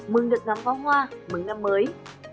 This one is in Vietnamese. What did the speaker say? mừng được nắm phó hoa mừng năm mới